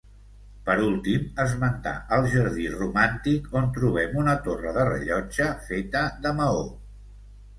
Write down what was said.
Per últim, esmentar el jardí romàntic on trobem una torre de rellotge feta de maó.